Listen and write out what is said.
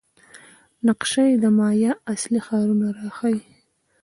نقشه د مایا اصلي ښارونه راښيي.